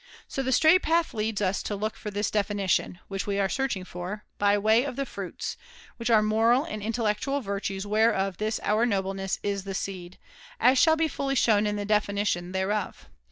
So the straight path leads us to look for this definition (which we are search ing for) by way of the fruits ; which are moral and intellectual virtues whereof this our nobleness is the seed, as shall be fully shown in the defini tion thereof.